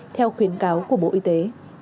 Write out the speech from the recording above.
theo khuyến cáo của bộ y tế